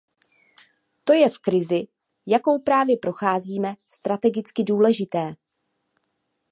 To je v krizi, jakou právě procházíme, strategicky důležité.